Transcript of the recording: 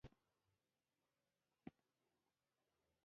مېلمه ته که باران وي، چترې ورکړه.